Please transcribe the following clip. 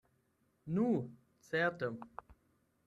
Nu certe!